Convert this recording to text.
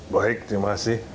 baik terima kasih